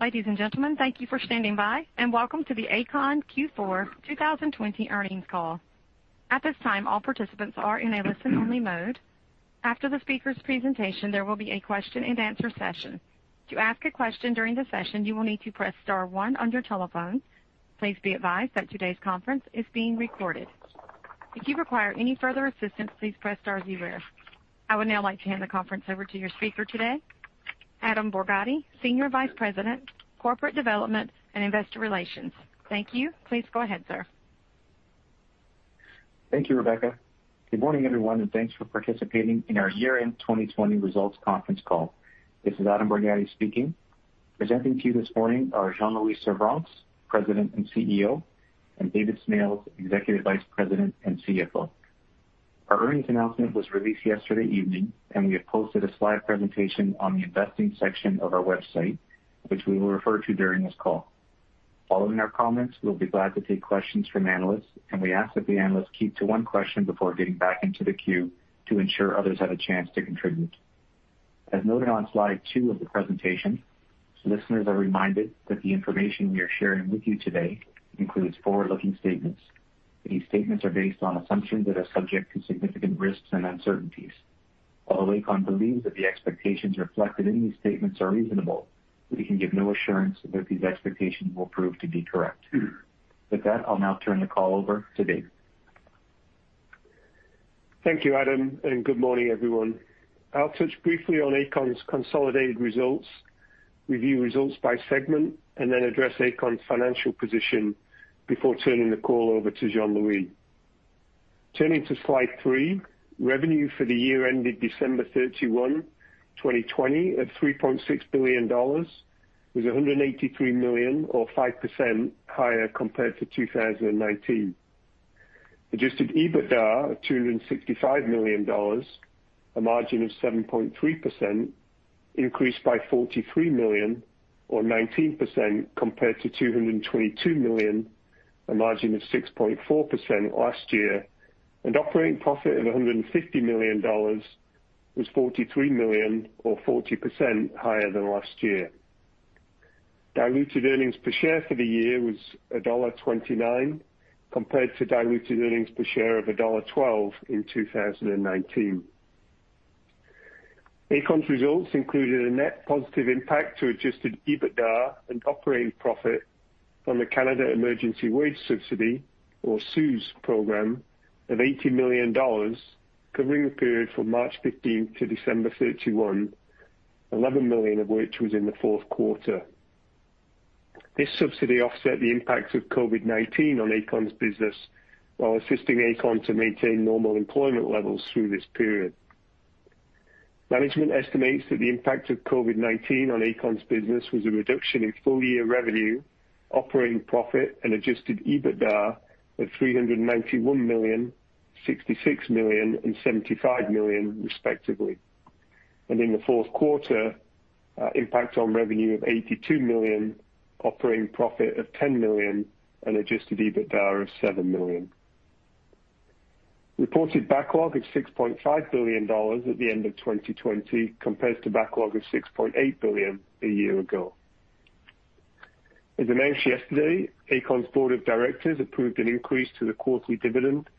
Ladies and gentlemen, thank you for standing by, and welcome to the Aecon Q4 2020 earnings call. At this time, all participants are in a listen-only mode. After the speaker's presentation, there will be a question-and-answer session. To ask a question during the session, you will need to press star one on your telephone. Please be advised that today's conference is being recorded. If you require any further assistance, please press star zero. I would now like to hand the conference over to your speaker today, Adam Borgatti, Senior Vice President, Corporate Development and Investor Relations. Thank you. Please go ahead, sir. Thank you, Rebecca. Good morning, everyone, and thanks for participating in our year-end 2020 results conference call. This is Adam Borgatti speaking. Presenting to you this morning are Jean-Louis Servranckx, President and CEO, and David Smales, Executive Vice President and CFO. Our earnings announcement was released yesterday evening, and we have posted a slide presentation on the investing section of our website, which we will refer to during this call. Following our comments, we will be glad to take questions from analysts, and we ask that the analysts keep to one question before getting back into the queue to ensure others have a chance to contribute. As noted on slide two of the presentation, listeners are reminded that the information we are sharing with you today includes forward-looking statements. These statements are based on assumptions that are subject to significant risks and uncertainties. Although Aecon believes that the expectations reflected in these statements are reasonable, we can give no assurance that these expectations will prove to be correct. With that, I'll now turn the call over to David. Thank you, Adam. Good morning, everyone. I'll touch briefly on Aecon's consolidated results, review results by segment, and then address Aecon's financial position before turning the call over to Jean-Louis. Turning to slide three, revenue for the year ended December 31, 2020, at 3.6 billion dollars, was 183 million or 5% higher compared to 2019. Adjusted EBITDA of 265 million dollars, a margin of 7.3%, increased by 43 million or 19% compared to 222 million, a margin of 6.4% last year. Operating profit of 150 million dollars was 43 million or 40% higher than last year. Diluted earnings per share for the year was dollar 1.29 compared to diluted earnings per share of dollar 1.12 in 2019. Aecon's results included a net positive impact to adjusted EBITDA and operating profit from the Canada Emergency Wage Subsidy, or CEWS program, of 80 million dollars covering the period from March 15 to December 31, 11 million of which was in the fourth quarter. This subsidy offset the impact of COVID-19 on Aecon's business while assisting Aecon to maintain normal employment levels through this period. Management estimates that the impact of COVID-19 on Aecon's business was a reduction in full-year revenue, operating profit and adjusted EBITDA of 391 million, 66 million and 75 million, respectively. In the fourth quarter, impact on revenue of 82 million, operating profit of 10 million and adjusted EBITDA of 7 million. Reported backlog of 6.5 billion dollars at the end of 2020 compares to backlog of 6.8 billion a year ago. As announced yesterday, Aecon's Board of Directors approved an increase to the quarterly dividend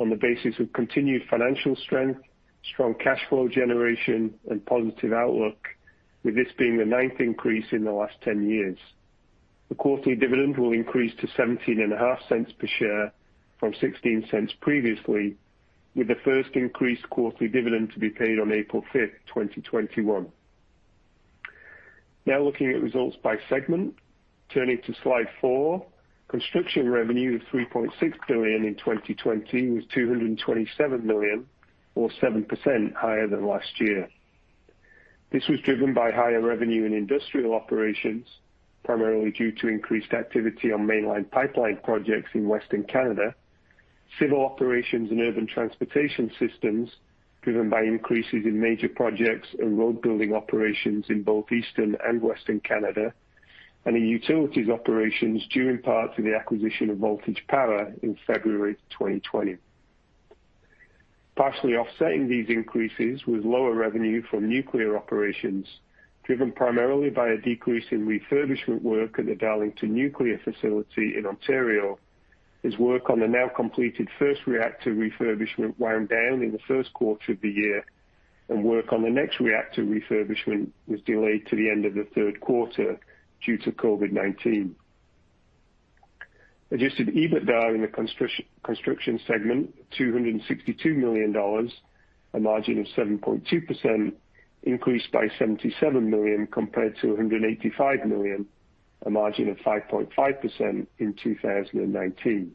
on the basis of continued financial strength, strong cash flow generation and positive outlook, with this being the ninth increase in the last 10 years. The quarterly dividend will increase to 0.175 per share from 0.16 previously, with the first increased quarterly dividend to be paid on April 5th, 2021. Looking at results by segment. Turning to slide four, construction revenue of 3.6 billion in 2020 was 227 million or 7% higher than last year. This was driven by higher revenue in industrial operations, primarily due to increased activity on mainline pipeline projects in Western Canada. Civil operations and urban transportation systems driven by increases in major projects and road building operations in both Eastern and Western Canada, and in utilities operations due in part to the acquisition of Voltage Power in February 2020. Partially offsetting these increases was lower revenue from nuclear operations, driven primarily by a decrease in refurbishment work at the Darlington nuclear facility in Ontario. As work on the now completed first reactor refurbishment wound down in the first quarter of the year, and work on the next reactor refurbishment was delayed to the end of the third quarter due to COVID-19. Adjusted EBITDA in the construction segment, 262 million dollars, a margin of 7.2%, increased by 77 million compared to 185 million, a margin of 5.5% in 2019.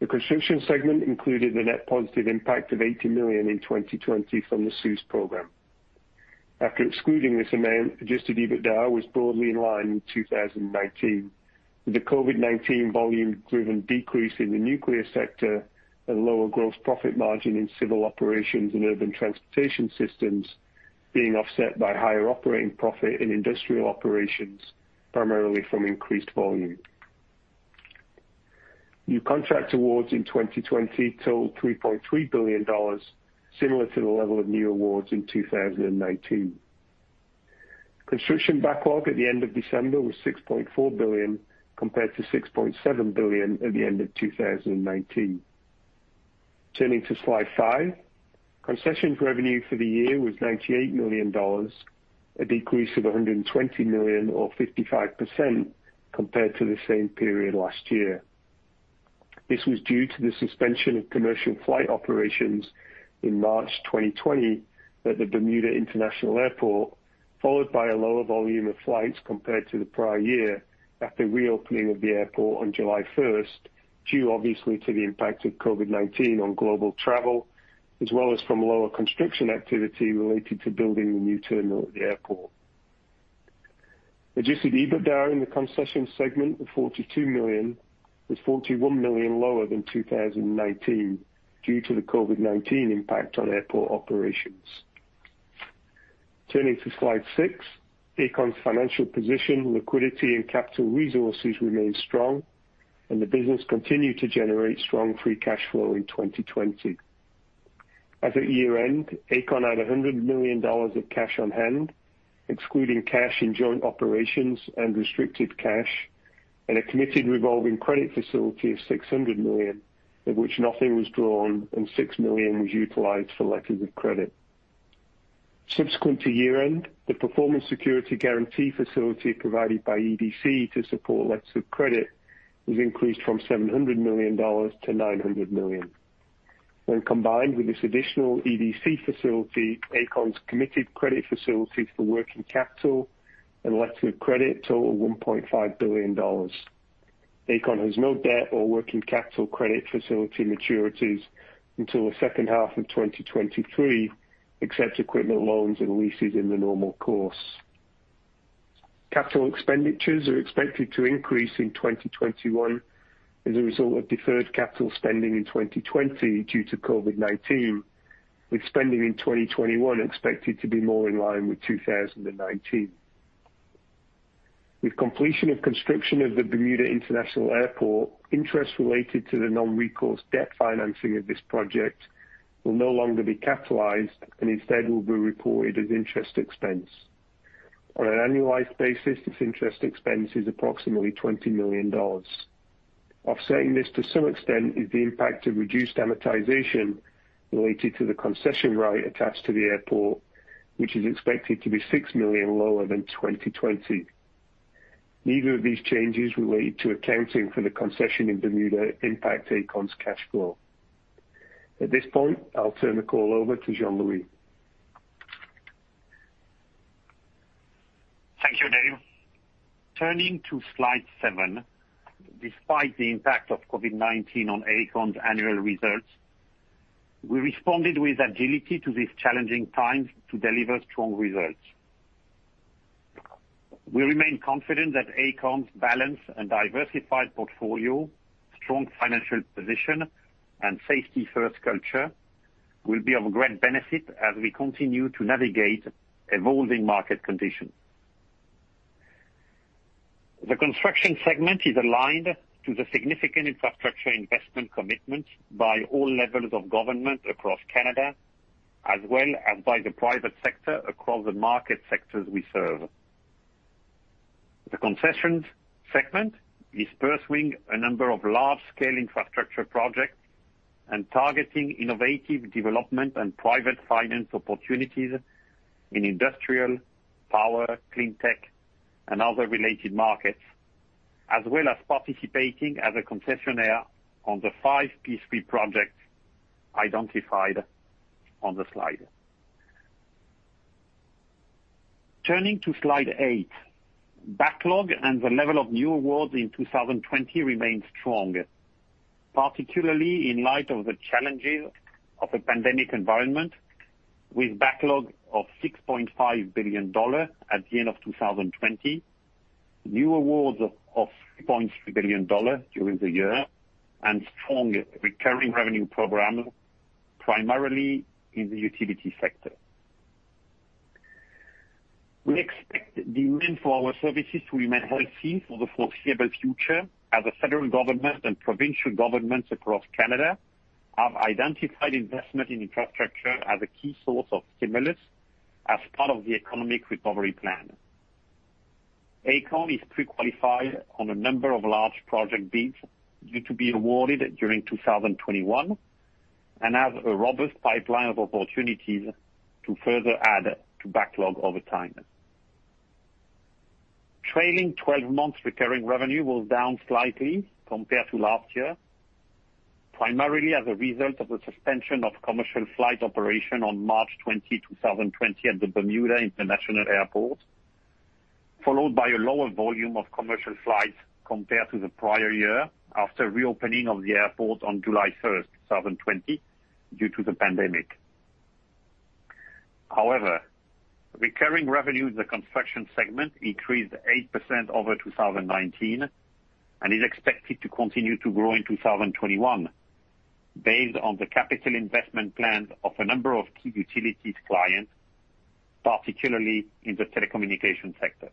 The construction segment included the net positive impact of 80 million in 2020 from the CEWS program. After excluding this amount, adjusted EBITDA was broadly in line with 2019, with the COVID-19 volume-driven decrease in the nuclear sector and lower gross profit margin in civil operations and urban transportation systems being offset by higher operating profit in industrial operations, primarily from increased volume. New contract awards in 2020 totaled 3.3 billion dollars, similar to the level of new awards in 2019. Construction backlog at the end of December was 6.4 billion, compared to 6.7 billion at the end of 2019. Turning to slide five. Concessions revenue for the year was 98 million dollars, a decrease of 120 million, or 55%, compared to the same period last year. This was due to the suspension of commercial flight operations in March 2020 at the Bermuda International Airport, followed by a lower volume of flights compared to the prior year after reopening of the airport on July 1st, due obviously to the impact of COVID-19 on global travel, as well as from lower construction activity related to building the new terminal at the airport. Adjusted EBITDA in the concessions segment of 42 million was 41 million lower than 2019 due to the COVID-19 impact on airport operations. Turning to slide six, Aecon's financial position, liquidity, and capital resources remain strong, and the business continued to generate strong free cash flow in 2020. At the year-end, Aecon had 100 million dollars of cash on hand, excluding cash in joint operations and restricted cash, and a committed revolving credit facility of 600 million, of which nothing was drawn, and 6 million was utilized for letters of credit. Subsequent to year-end, the performance security guarantee facility provided by EDC to support letters of credit was increased from 700 million dollars to 900 million. When combined with this additional EDC facility, Aecon's committed credit facilities for working capital and letter of credit total 1.5 billion dollars. Aecon has no debt or working capital credit facility maturities until the second half of 2023, except equipment loans and leases in the normal course. Capital expenditures are expected to increase in 2021 as a result of deferred capital spending in 2020 due to COVID-19, with spending in 2022 expected to be more in line with 2019. With completion of construction of the Bermuda International Airport, interest related to the non-recourse debt financing of this project will no longer be capitalized and instead will be reported as interest expense. On an annualized basis, this interest expense is approximately 20 million dollars. Offsetting this to some extent is the impact of reduced amortization related to the concession rate attached to the airport, which is expected to be 6 million lower than 2020. Neither of these changes relate to accounting for the concession in Bermuda impact Aecon's cash flow. At this point, I'll turn the call over to Jean-Louis. Thank you, Dave. Turning to slide seven. Despite the impact of COVID-19 on Aecon's annual results, we responded with agility to these challenging times to deliver strong results. We remain confident that Aecon's balanced and diversified portfolio, strong financial position, and safety-first culture will be of great benefit as we continue to navigate evolving market conditions. The construction segment is aligned to the significant infrastructure investment commitments by all levels of government across Canada, as well as by the private sector across the market sectors we serve. The concessions segment is pursuing a number of large-scale infrastructure projects and targeting innovative development and private finance opportunities in industrial, power, clean tech, and other related markets, as well as participating as a concessionaire on the five P3 projects identified on the slide. Turning to slide eight. Backlog and the level of new awards in 2020 remains strong, particularly in light of the challenges of a pandemic environment, with backlog of 6.5 billion dollars at the end of 2020, new awards of 3.3 billion dollars during the year, and strong recurring revenue program, primarily in the utility sector. We expect demand for our services to remain healthy for the foreseeable future as the federal government and provincial governments across Canada have identified investment in infrastructure as a key source of stimulus as part of the economic recovery plan. Aecon is pre-qualified on a number of large project bids due to be awarded during 2021 and have a robust pipeline of opportunities to further add to backlog over time. Trailing 12 months recurring revenue was down slightly compared to last year, primarily as a result of the suspension of commercial flight operation on March 20, 2020, at the Bermuda International Airport, followed by a lower volume of commercial flights compared to the prior year after reopening of the airport on July 1, 2020, due to the pandemic. However, recurring revenue in the construction segment increased 8% over 2019 and is expected to continue to grow in 2021. Based on the capital investment plans of a number of key utilities clients, particularly in the telecommunications sector.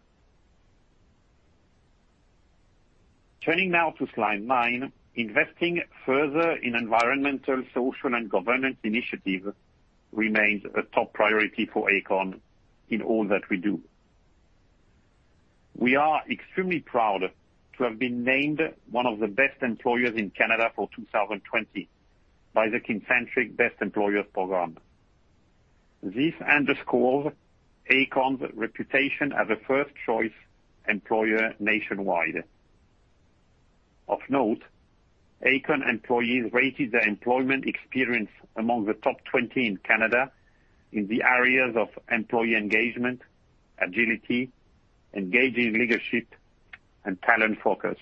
Turning now to slide nine. Investing further in environmental, social, and governance initiatives remains a top priority for Aecon in all that we do. We are extremely proud to have been named one of the Best Employers in Canada for 2020 by the Kincentric Best Employers program. This underscores Aecon's reputation as a first-choice employer nationwide. Of note, Aecon employees rated their employment experience among the top 20 in Canada in the areas of employee engagement, agility, engaging leadership, and talent focus.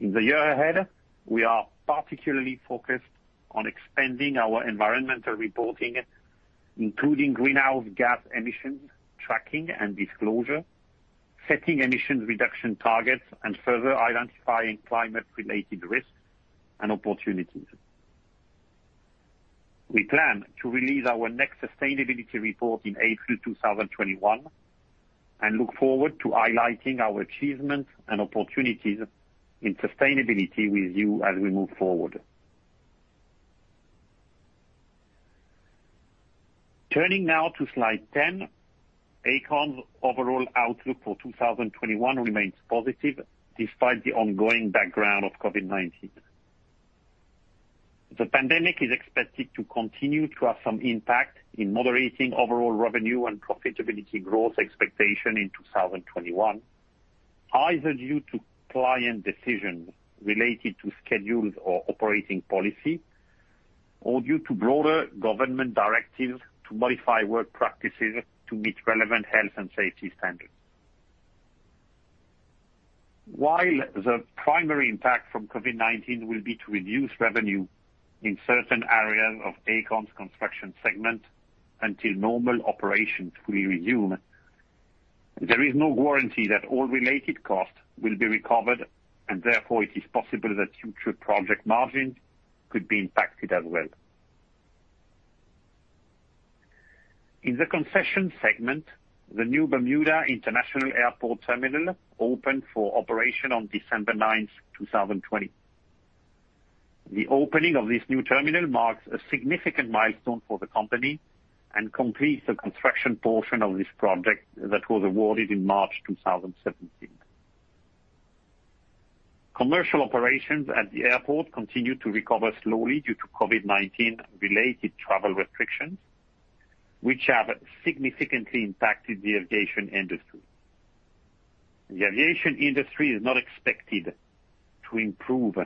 In the year ahead, we are particularly focused on expanding our environmental reporting, including greenhouse gas emissions tracking and disclosure, setting emissions reduction targets, and further identifying climate-related risks and opportunities. We plan to release our next sustainability report in April 2021 and look forward to highlighting our achievements and opportunities in sustainability with you as we move forward. Turning now to slide 10. Aecon's overall outlook for 2021 remains positive despite the ongoing background of COVID-19. The pandemic is expected to continue to have some impact in moderating overall revenue and profitability growth expectation in 2021, either due to client decisions related to schedules or operating policy, or due to broader government directives to modify work practices to meet relevant health and safety standards. While the primary impact from COVID-19 will be to reduce revenue in certain areas of Aecon's construction segment until normal operations fully resume, there is no guarantee that all related costs will be recovered, and therefore, it is possible that future project margins could be impacted as well. In the concession segment, the new Bermuda International Airport terminal opened for operation on December 9th, 2020. The opening of this new terminal marks a significant milestone for the company and completes the construction portion of this project that was awarded in March 2017. Commercial operations at the airport continue to recover slowly due to COVID-19-related travel restrictions, which have significantly impacted the aviation industry. The aviation industry is not expected to improve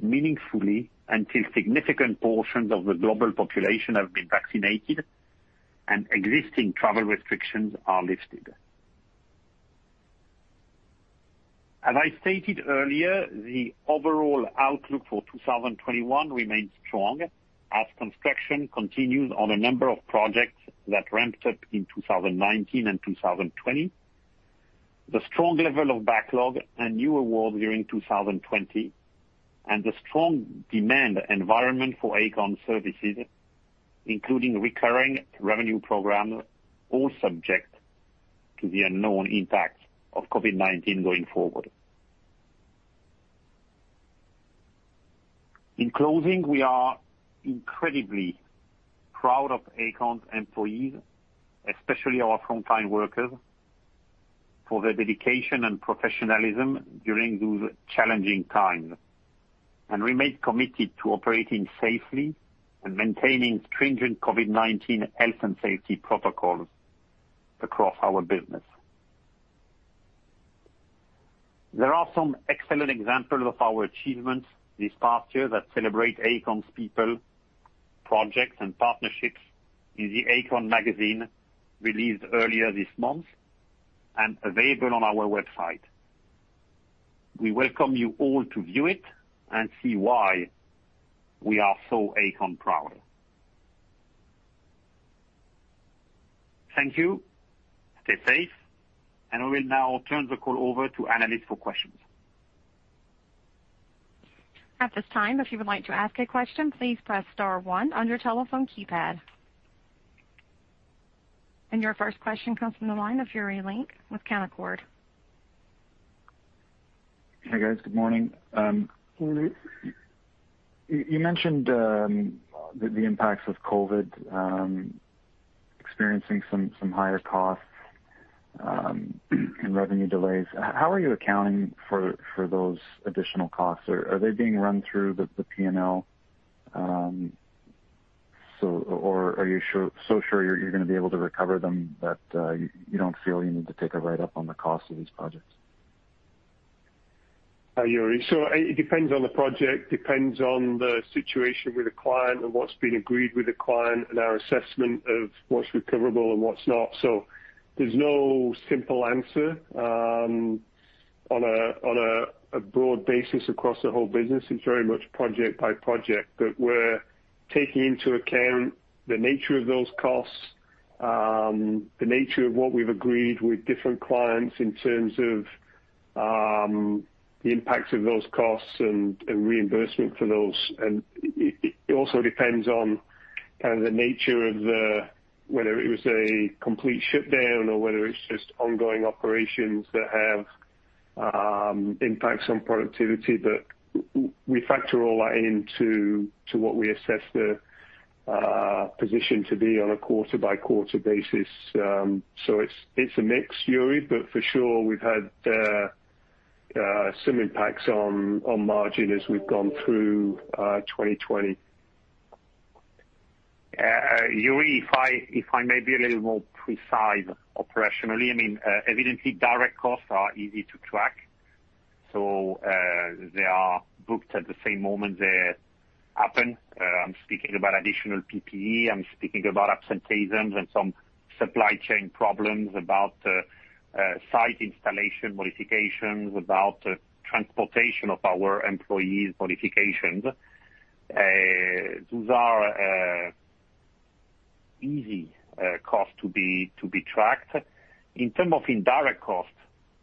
meaningfully until significant portions of the global population have been vaccinated and existing travel restrictions are lifted. As I stated earlier, the overall outlook for 2021 remains strong as construction continues on a number of projects that ramped up in 2019 and 2020. The strong level of backlog and new awards during 2020 and the strong demand environment for Aecon services, including recurring revenue program, all subject to the unknown impact of COVID-19 going forward. In closing, we are incredibly proud of Aecon's employees, especially our frontline workers, for their dedication and professionalism during these challenging times. We remain committed to operating safely and maintaining stringent COVID-19 health and safety protocols across our business. There are some excellent examples of our achievements this past year that celebrate Aecon's people, projects, and partnerships in the Aecon magazine released earlier this month and available on our website. We welcome you all to view it and see why we are so Aecon proud. Thank you. Stay safe, and I will now turn the call over to analysts for questions. At this time, if you would like to ask a question, please press star one on your telephone keypad. Your first question comes from the line of Yuri Lynk with Canaccord. Hey, guys. Good morning. Good morning. You mentioned the impacts of COVID, experiencing some higher costs and revenue delays. How are you accounting for those additional costs? Are they being run through the P&L? Or are you so sure you're going to be able to recover them that you don't feel you need to take a write-up on the cost of these projects? Hi, Yuri. It depends on the project, depends on the situation with the client and what's been agreed with the client and our assessment of what's recoverable and what's not. There's no simple answer on a broad basis across the whole business. It's very much project by project, but we're taking into account the nature of those costs The nature of what we've agreed with different clients in terms of the impact of those costs and reimbursement for those. It also depends on the nature of whether it was a complete shutdown or whether it's just ongoing operations that have impacts on productivity, but we factor all that into what we assess the position to be on a quarter-by-quarter basis. It's a mix, Yuri, but for sure, we've had some impacts on margin as we've gone through 2020. Yuri, if I may be a little more precise operationally. Evidently, direct costs are easy to track. They are booked at the same moment they happen. I'm speaking about additional PPE, I'm speaking about absenteeisms and some supply chain problems, about site installation modifications, about transportation of our employees modifications. Those are easy costs to be tracked. In terms of indirect cost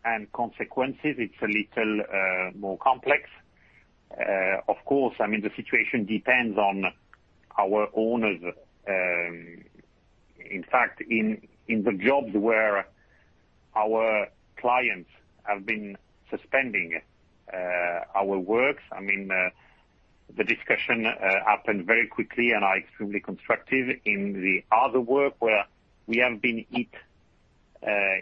and consequences, it's a little more complex. Of course, the situation depends on our owners. In fact, in the jobs where our clients have been suspending our works, the discussion happened very quickly and are extremely constructive. In the other work where we have been hit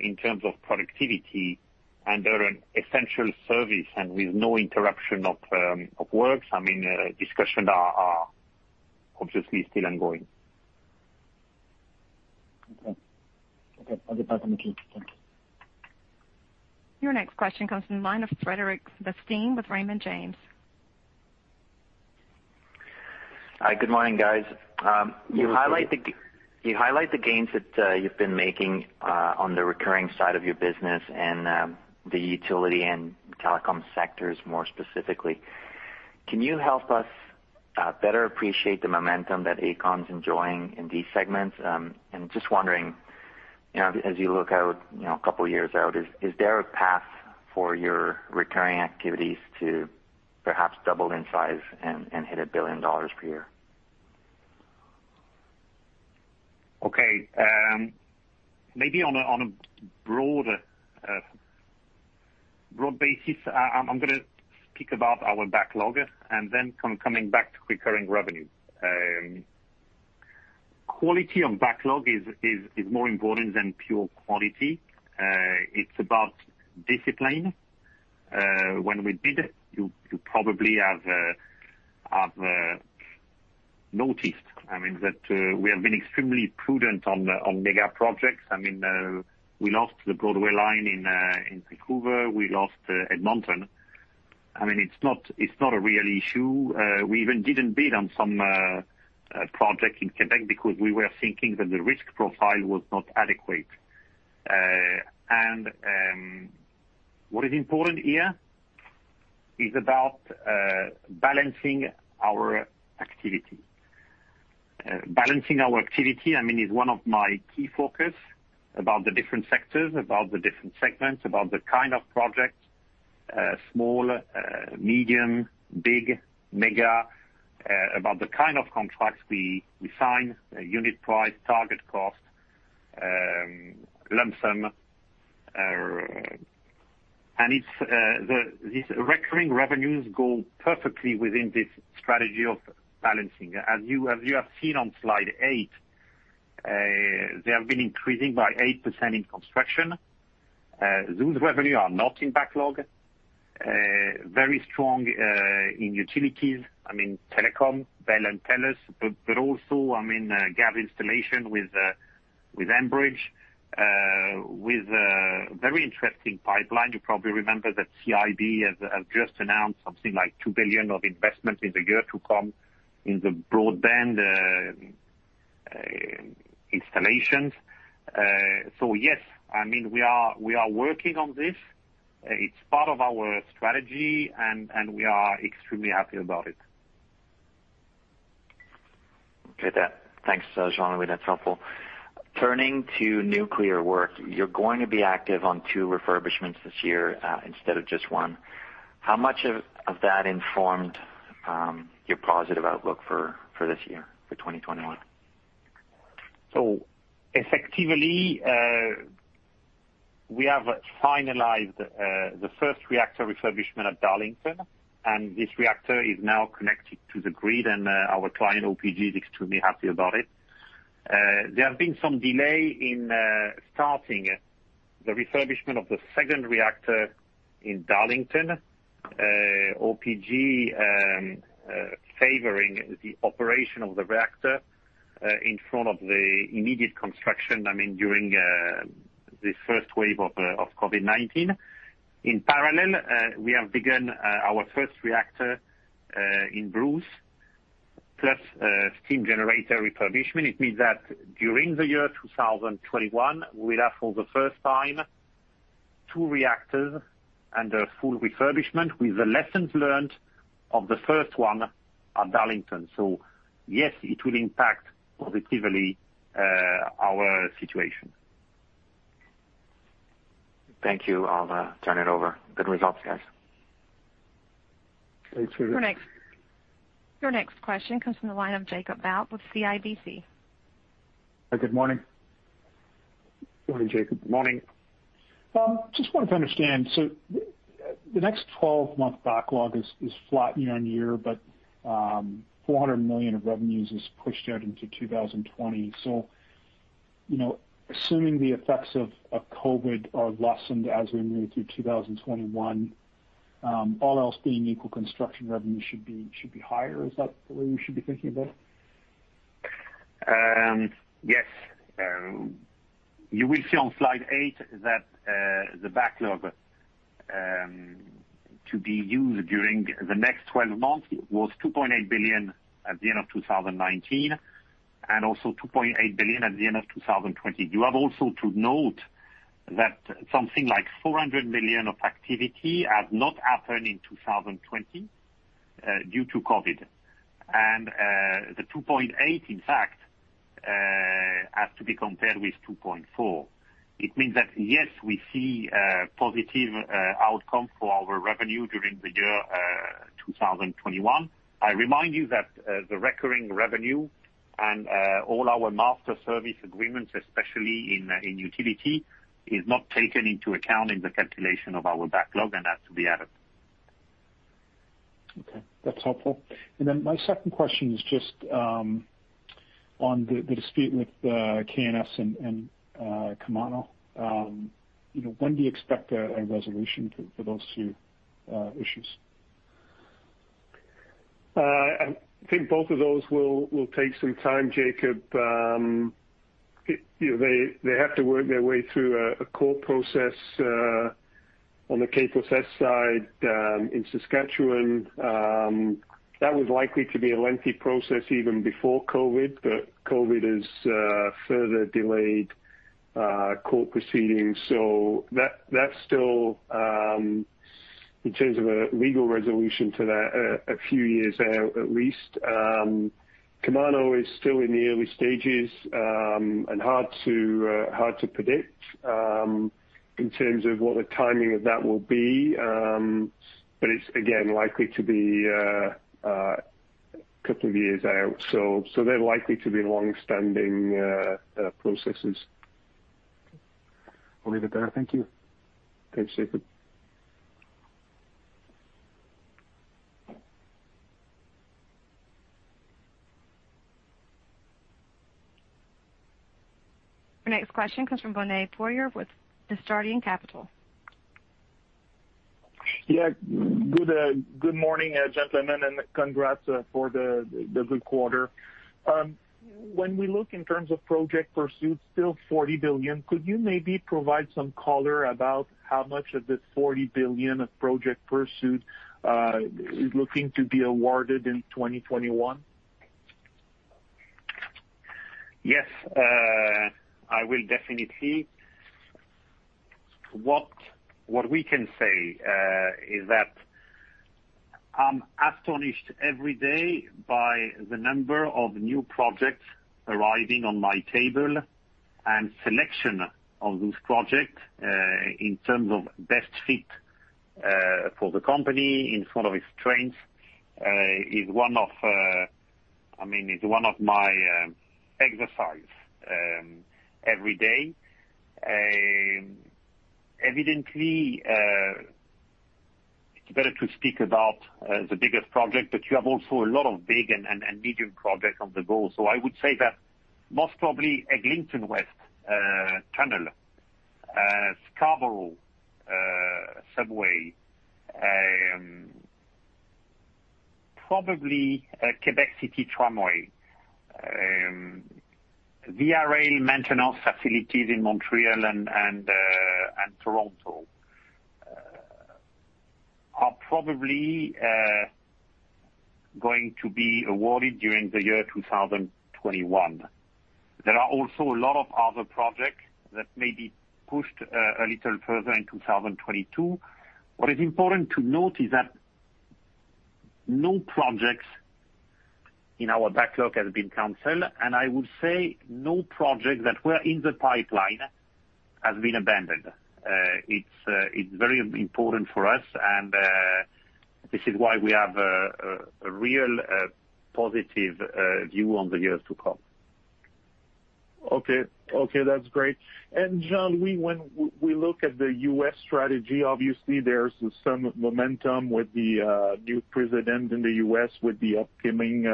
in terms of productivity under an essential service and with no interruption of work, discussions are obviously still ongoing. Okay. I'll get back on the queue. Thank you. Your next question comes from the line of Frederic Bastien with Raymond James. Hi, good morning, guys. You highlight the gains that you've been making on the recurring side of your business and the utility and telecom sectors more specifically. Can you help us better appreciate the momentum that Aecon's enjoying in these segments? Just wondering, as you look out a couple of years out, is there a path for your recurring activities to perhaps double in size and hit 1 billion dollars per year? Okay. Maybe on a broad basis, I'm going to speak about our backlog and then coming back to recurring revenue. Quality of backlog is more important than pure quality. It's about discipline. When we bid, you probably have noticed that we have been extremely prudent on mega projects. We lost the Broadway line in Vancouver, we lost Edmonton. It's not a real issue. We even didn't bid on some project in Quebec because we were thinking that the risk profile was not adequate. What is important here is about balancing our activity. Balancing our activity is one of my key focus about the different sectors, about the different segments, about the kind of projects, small, medium, big, mega, about the kind of contracts we sign, unit price, target cost, lump sum. These recurring revenues go perfectly within this strategy of balancing. As you have seen on slide eight, they have been increasing by 8% in construction. Those revenue are not in backlog. Very strong in utilities. Telecom, Bell, and TELUS, also gas installation with Enbridge, with a very interesting pipeline. You probably remember that CIB have just announced something like 2 billion of investment in the year to come in the broadband installations. Yes, we are working on this. It's part of our strategy, and we are extremely happy about it. Okay. Thanks, Jean-Louis. That's helpful. Turning to nuclear work, you're going to be active on two refurbishments this year instead of just one. How much of that informed your positive outlook for this year, for 2021? Effectively, we have finalized the first reactor refurbishment at Darlington, and this reactor is now connected to the grid. Our client, OPG, is extremely happy about it. There have been some delay in starting the refurbishment of the second reactor in Darlington. OPG favoring the operation of the reactor in front of the immediate construction during the first wave of COVID-19. In parallel, we have begun our first reactor in Bruce, plus steam generator refurbishment. It means that during the year 2021, we will have for the first time two reactors under full refurbishment with the lessons learned of the first one at Darlington. Yes, it will impact positively our situation. Thank you. I'll turn it over. Good results, guys. Thanks. Your next question comes from the line of Jacob Bout with CIBC. Good morning. Morning, Jacob. Good morning. Just wanted to understand. The next 12-month backlog is flat year-over-year, but 400 million of revenues is pushed out into 2020. Assuming the effects of COVID are lessened as we move through 2021, all else being equal, construction revenue should be higher. Is that the way we should be thinking about it? Yes. You will see on slide eight that the backlog to be used during the next 12 months was 2.8 billion at the end of 2019, and also 2.8 billion at the end of 2020. You have also to note that something like 400 million of activity had not happened in 2020 due to COVID. The 2.8, in fact, has to be compared with 2.4. It means that, yes, we see a positive outcome for our revenue during the year 2021. I remind you that the recurring revenue and all our master service agreements, especially in utility, is not taken into account in the calculation of our backlog and has to be added. Okay. That's helpful. My second question is just on the dispute with K+S and Kemano. When do you expect a resolution for those two issues? I think both of those will take some time, Jacob. They have to work their way through a core process on the K+S side in Saskatchewan. That was likely to be a lengthy process even before COVID. COVID has further delayed court proceedings. That's still, in terms of a legal resolution to that, a few years out at least. Kemano is still in the early stages, and hard to predict in terms of what the timing of that will be. It's, again, likely to be a couple of years out. They're likely to be longstanding processes. I'll leave it there. Thank you. Thanks, Jacob. Your next question comes from Benoit Poirier with Desjardins Capital. Yeah. Good morning, gentlemen, congrats for the good quarter. When we look in terms of project pursuits, still 40 billion, could you maybe provide some color about how much of this 40 billion of project pursuit is looking to be awarded in 2021? Yes. I will definitely. What we can say is that I'm astonished every day by the number of new projects arriving on my table and selection of those projects, in terms of best fit for the company in front of its strengths. It's one of my exercise every day. Evidently, it's better to speak about the biggest project, but you have also a lot of big and medium projects on the go. I would say that most probably a Lakeshore West tunnel, Scarborough subway, probably Québec City Tramway, VIA Rail maintenance facilities in Montreal and Toronto are probably going to be awarded during the year 2021. There are also a lot of other projects that may be pushed a little further in 2022. What is important to note is that no projects in our backlog has been canceled, and I would say no project that were in the pipeline has been abandoned. It's very important for us, and this is why we have a real positive view on the years to come. Okay. That's great. Jean, when we look at the U.S. strategy, obviously, there's some momentum with the new president in the U.S. with the upcoming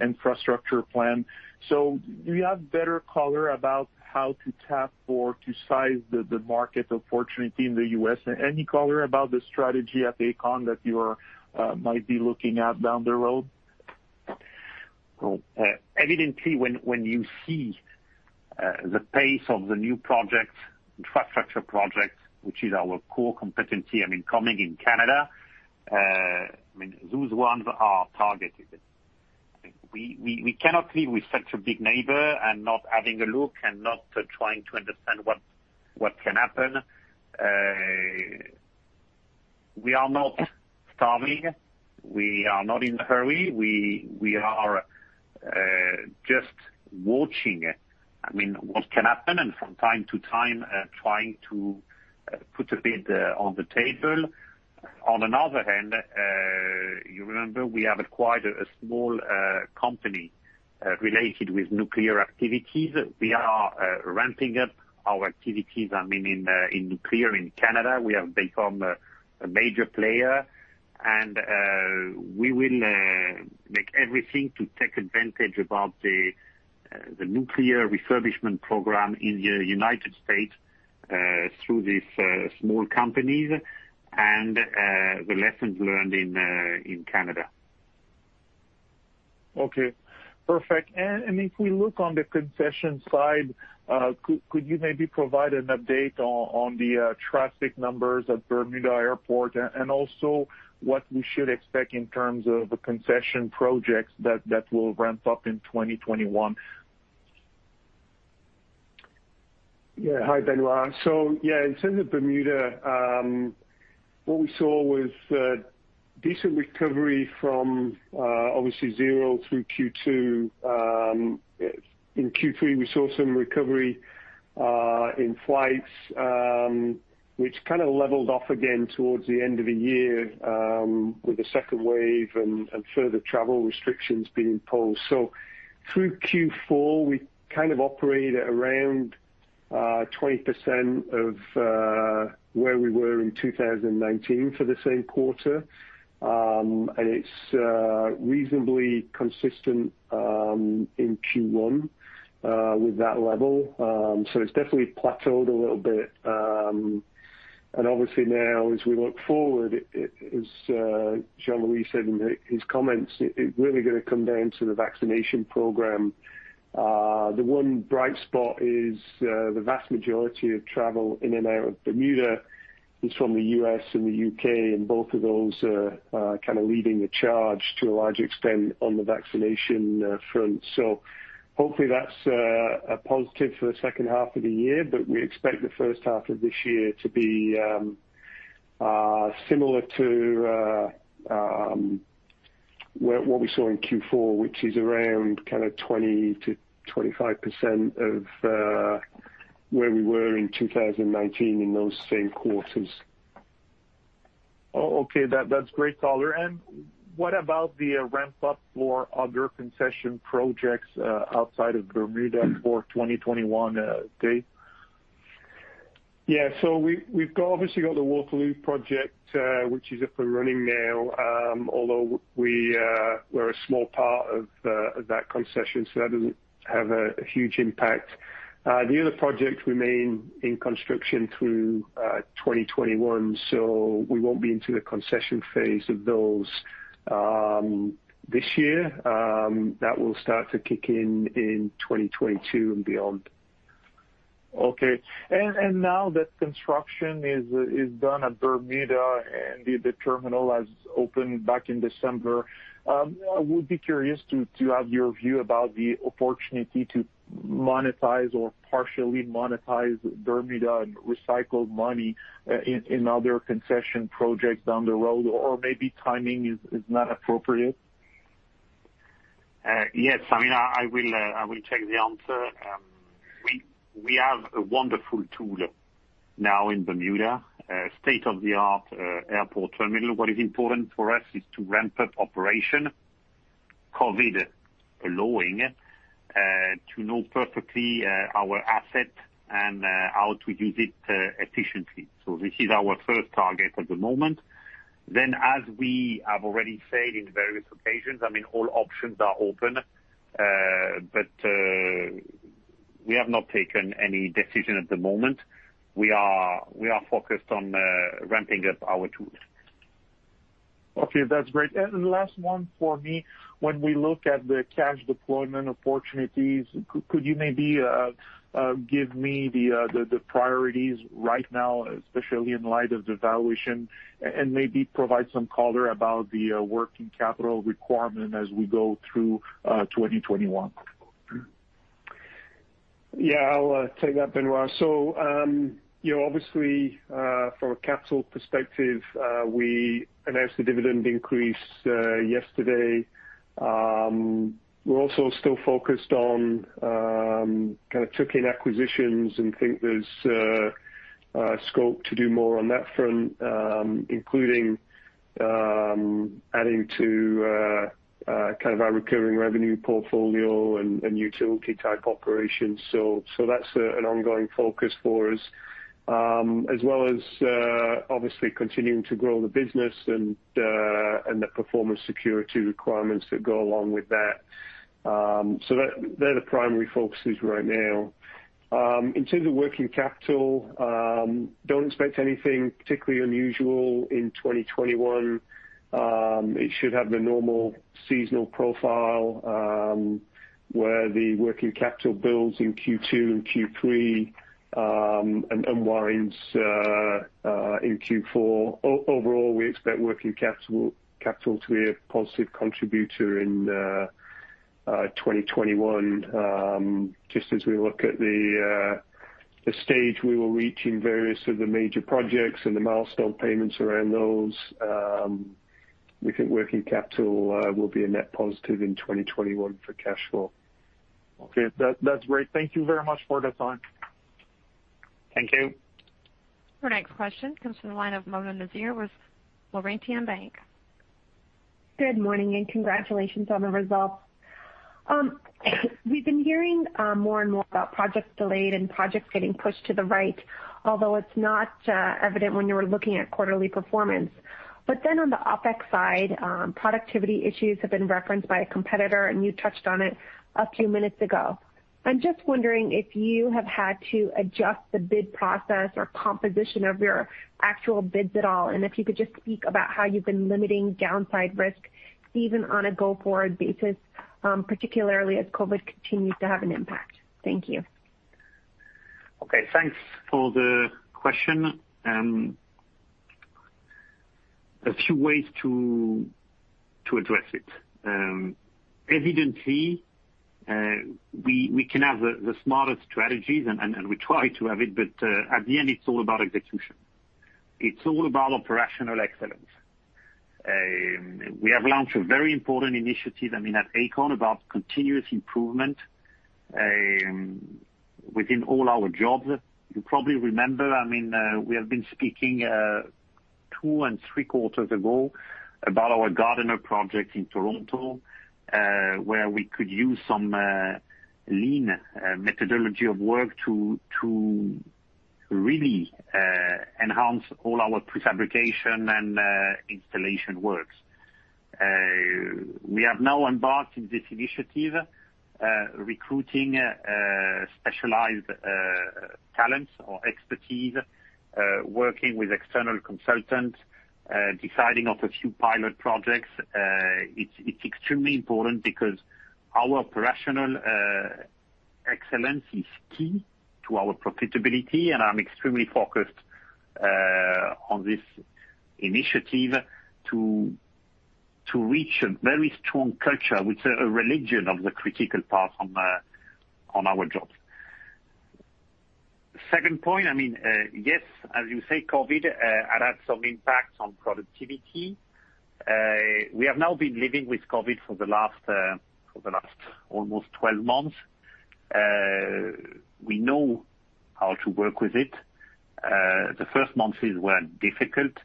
infrastructure plan. Do you have better color about how to tap or to size the market opportunity in the U.S.? Any color about the strategy at Aecon that you might be looking at down the road? Evidently, when you see the pace of the new projects, infrastructure projects, which is our core competency, coming in Canada, those ones are targeted. We cannot live with such a big neighbor and not having a look and not trying to understand what can happen. We are not starving. We are not in a hurry. We are just watching what can happen, and from time to time, trying to put a bit on the table. On another hand, you remember we have acquired a small company related with nuclear activities. We are ramping up our activities in nuclear in Canada. We have become a major player, and we will make everything to take advantage about the nuclear refurbishment program in the U.S. through these small companies and the lessons learned in Canada. Okay, perfect. If we look on the concession side, could you maybe provide an update on the traffic numbers at Bermuda Airport and also what we should expect in terms of the concession projects that will ramp up in 2021? Hi, Benoit. In terms of Bermuda, what we saw was decent recovery from obviously zero through Q2. In Q3, we saw some recovery in flights, which kind of leveled off again towards the end of the year with the second wave and further travel restrictions being imposed. Through Q4, we kind of operated around 20% of where we were in 2019 for the same quarter. It's reasonably consistent in Q1 with that level. It's definitely plateaued a little bit. Obviously, now as we look forward, as Jean-Louis said in his comments, it's really going to come down to the vaccination program. The one bright spot is the vast majority of travel in and out of Bermuda is from the U.S. and the U.K., both of those are kind of leading the charge to a large extent on the vaccination front. Hopefully, that's a positive for the second half of the year, but we expect the first half of this year to be similar to what we saw in Q4, which is around kind of 20%-25% of where we were in 2019 in those same quarters. Oh, okay. That's great color. What about the ramp-up for other concession projects outside of Bermuda for 2021, Dave? Yeah. We've obviously got the Waterloo project, which is up and running now, although we're a small part of that concession, so that doesn't have a huge impact. The other projects remain in construction through 2021, so we won't be into the concession phase of those this year. That will start to kick in in 2022 and beyond. Okay. Now that construction is done at Bermuda and the terminal has opened back in December, I would be curious to have your view about the opportunity to monetize or partially monetize Bermuda and recycle money in other concession projects down the road. Maybe timing is not appropriate? Yes. I will take the answer. We have a wonderful tool now in Bermuda, a state-of-the-art airport terminal. What is important for us is to ramp up operation, COVID allowing, to know perfectly our asset and how to use it efficiently. This is our first target at the moment. As we have already said in various occasions, all options are open. We have not taken any decision at the moment. We are focused on ramping up our tools. Okay, that's great. Last one for me. When we look at the cash deployment opportunities, could you maybe give me the priorities right now, especially in light of the valuation, and maybe provide some color about the working capital requirement as we go through 2021? Yeah, I'll take that, Benoit. Obviously, from a capital perspective, we announced a dividend increase yesterday. We're also still focused on kind of tuck-in acquisitions and think there's scope to do more on that front, including adding to kind of our recurring revenue portfolio and utility-type operations. That's an ongoing focus for us, as well as obviously continuing to grow the business and the performance security requirements that go along with that. They're the primary focuses right now. In terms of working capital, don't expect anything particularly unusual in 2021. It should have the normal seasonal profile, where the working capital builds in Q2 and Q3, and unwinds in Q4. Overall, we expect working capital to be a positive contributor in 2021, just as we look at the stage we will reach in various of the major projects and the milestone payments around those, we think working capital will be a net positive in 2021 for cash flow. Okay. That's great. Thank you very much for the time. Thank you. Our next question comes from the line of Mona Nazir with Laurentian Bank. Good morning. Congratulations on the results. We've been hearing more and more about projects delayed and projects getting pushed to the right, although it's not evident when you're looking at quarterly performance. On the OpEx side, productivity issues have been referenced by a competitor, and you touched on it a few minutes ago. I'm just wondering if you have had to adjust the bid process or composition of your actual bids at all, and if you could just speak about how you've been limiting downside risk even on a go-forward basis, particularly as COVID continues to have an impact. Thank you. Okay. Thanks for the question. A few ways to address it. Evidently, we can have the smartest strategies, and we try to have it, but at the end, it's all about execution. It's all about operational excellence. We have launched a very important initiative at Aecon about continuous improvement within all our jobs. You probably remember, we have been speaking two and three quarters ago about our Gardiner project in Toronto, where we could use some lean methodology of work to really enhance all our prefabrication and installation works. We have now embarked in this initiative, recruiting specialized talents or expertise, working with external consultants, deciding off a few pilot projects. It's extremely important because our operational excellence is key to our profitability. I'm extremely focused on this initiative to reach a very strong culture with a religion of the critical path on our jobs. Second point, yes, as you say, COVID had some impact on productivity. We have now been living with COVID for the last almost 12 months. We know how to work with it. The first months were difficult.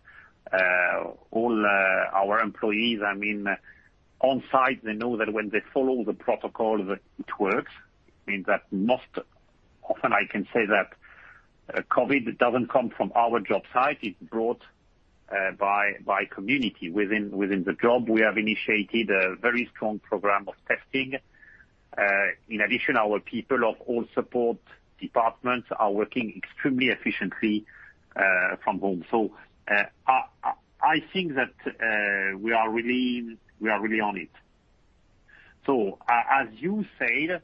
All our employees on-site, they know that when they follow the protocol, that it works. It means that not often I can say that COVID doesn't come from our job site. It's brought by community. Within the job, we have initiated a very strong program of testing. In addition, our people of all support departments are working extremely efficiently from home. I think that we are really on it. As you said,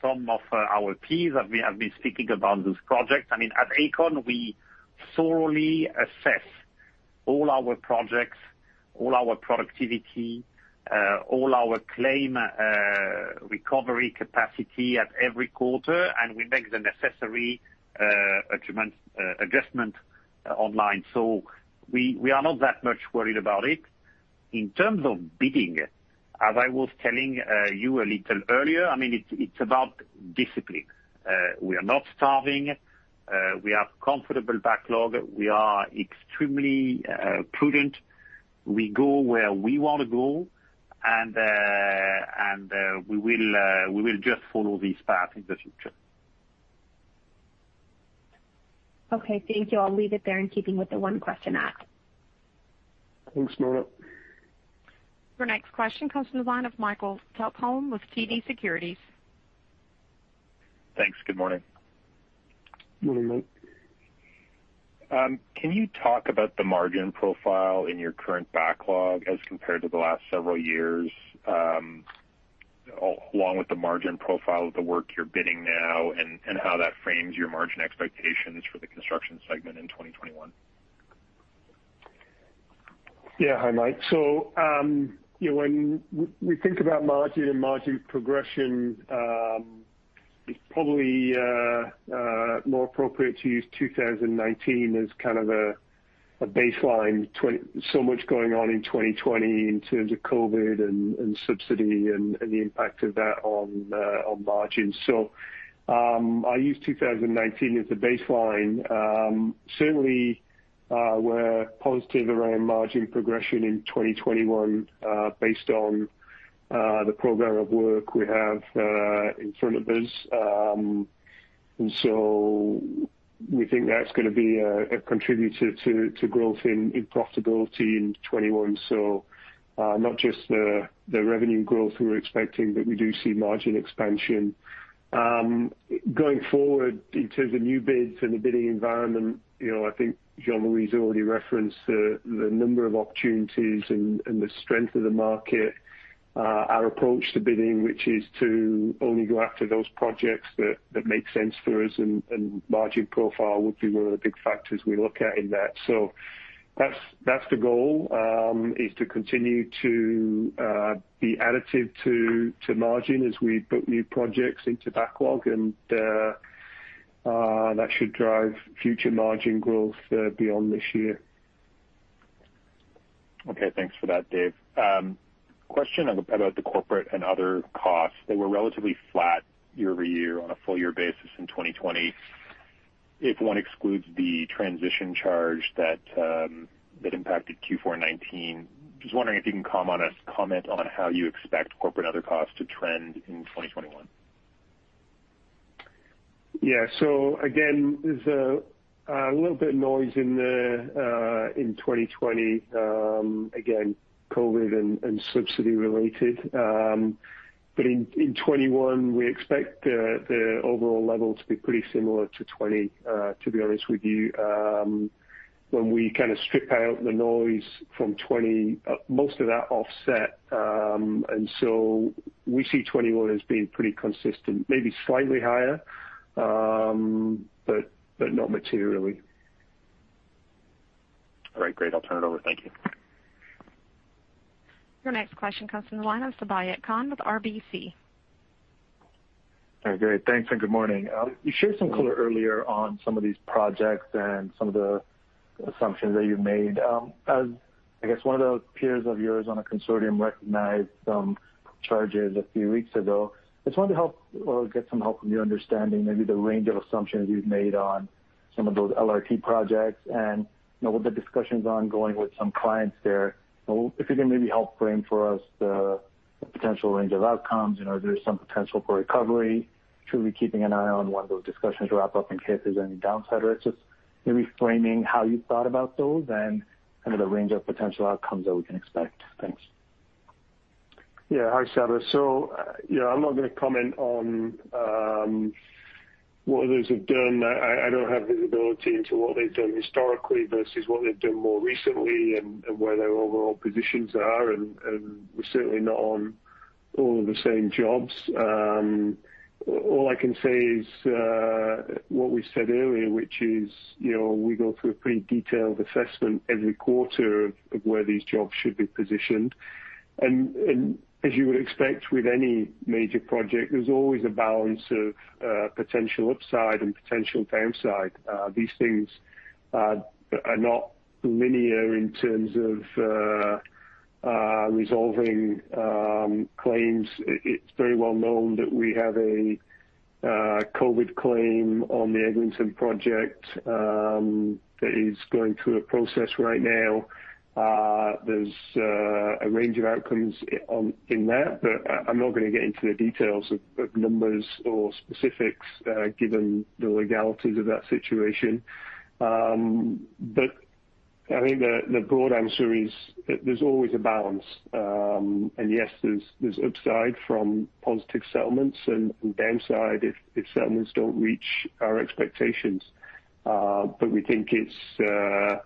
some of our teams have been speaking about those projects. At Aecon, we thoroughly assess all our projects, all our productivity, all our claim recovery capacity at every quarter, and we make the necessary adjustment online. We are not that much worried about it. In terms of bidding, as I was telling you a little earlier, it's about discipline. We are not starving. We have comfortable backlog. We are extremely prudent. We go where we want to go, and we will just follow this path in the future. Okay, thank you. I'll leave it there in keeping with the one question asked. Thanks, Mona. Your next question comes from the line of Michael Tupholme with TD Securities. Thanks. Good morning. Morning, Mike. Can you talk about the margin profile in your current backlog as compared to the last several years, along with the margin profile of the work you're bidding now and how that frames your margin expectations for the construction segment in 2021? Yeah. Hi, Mike. When we think about margin and margin progression, it's probably more appropriate to use 2019 as kind of a baseline. Much going on in 2020 in terms of COVID and subsidy and the impact of that on margins. I use 2019 as a baseline. Certainly, we're positive around margin progression in 2021 based on the program of work we have in front of us. We think that's going to be a contributor to growth in profitability in 2021. Not just the revenue growth we were expecting, but we do see margin expansion. Going forward, in terms of new bids and the bidding environment, I think Jean-Louis already referenced the number of opportunities and the strength of the market. Our approach to bidding, which is to only go after those projects that make sense for us, and margin profile would be one of the big factors we look at in that. That's the goal, is to continue to be additive to margin as we book new projects into backlog, and that should drive future margin growth beyond this year. Okay, thanks for that, Dave. Question about the corporate and other costs that were relatively flat year-over-year on a full-year basis in 2020, if one excludes the transition charge that impacted Q4 2019. Just wondering if you can comment on how you expect corporate other costs to trend in 2021. Again, there's a little bit of noise in 2020, again, COVID and subsidy-related. In 2021, we expect the overall level to be pretty similar to 2020, to be honest with you. When we kind of strip out the noise from 2020, most of that offset, we see 2021 as being pretty consistent, maybe slightly higher, but not materially. All right, great. I'll turn it over. Thank you. Your next question comes from the line of Sabahat Khan with RBC. Okay, great. Thanks, and good morning. You shared some color earlier on some of these projects and some of the assumptions that you've made. As one of those peers of yours on a consortium recognized some charges a few weeks ago, I just wanted to get some help from you, understanding maybe the range of assumptions you've made on some of those LRT projects and with the discussions ongoing with some clients there. If you can maybe help frame for us the potential range of outcomes, there is some potential for recovery, truly keeping an eye on when those discussions wrap up in case there's any downside risks, maybe framing how you thought about those and the range of potential outcomes that we can expect. Thanks. Yeah. Hi, Sabahat. I'm not going to comment on what others have done. I don't have visibility into what they've done historically versus what they've done more recently and where their overall positions are, and we're certainly not on all of the same jobs. All I can say is what we said earlier, which is, we go through a pretty detailed assessment every quarter of where these jobs should be positioned. As you would expect with any major project, there's always a balance of potential upside and potential downside. These things are not linear in terms of resolving claims. It's very well known that we have a COVID claim on the Edmonton project that is going through a process right now. There's a range of outcomes in that, but I'm not going to get into the details of numbers or specifics, given the legalities of that situation. I think the broad answer is there's always a balance. Yes, there's upside from positive settlements and downside if settlements don't reach our expectations. We think it's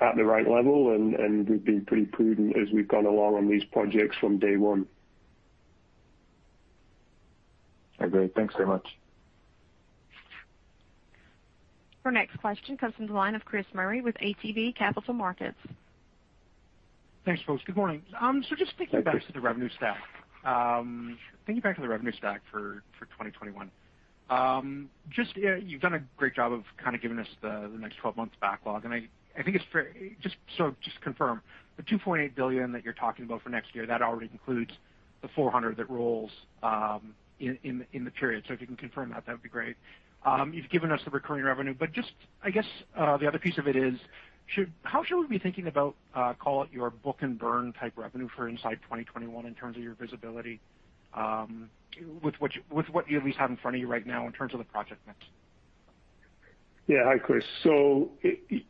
at the right level, and we've been pretty prudent as we've gone along on these projects from day one. Okay, great. Thanks very much. Our next question comes from the line of Chris Murray with ATB Capital Markets. Thanks, folks. Good morning. Just thinking back to the revenue stack. Thinking back to the revenue stack for 2021. You've done a great job of kind of giving us the next 12 months backlog, just confirm, the 2.8 billion that you're talking about for next year, that already includes the 400 that rolls in the period. If you can confirm, that would be great. You've given us the recurring revenue, just, I guess the other piece of it is, how should we be thinking about, call it, your book and burn type revenue for inside 2021 in terms of your visibility, with what you at least have in front of you right now in terms of the project mix? Hi, Chris.